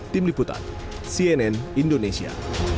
tim liputan cnn indonesia